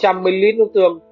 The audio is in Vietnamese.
một trăm một mươi ml nước tương